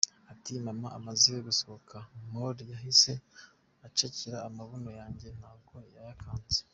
Ati “Mama amaze gusohoka Moore yahise acakira amabuno yanjye…ntabwo yayakanze”.